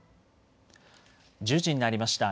１０時になりました。